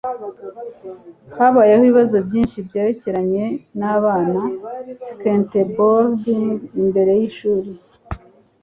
Habayeho ibibazo byinshi byerekeranye nabana skateboarding imbere yishuri